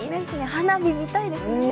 花火、見たいですね。